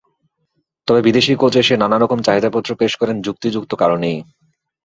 তবে বিদেশি কোচ এসে নানা রকম চাহিদাপত্র পেশ করেন যুক্তিযুক্ত কারণেই।